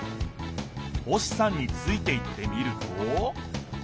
星さんについていってみると？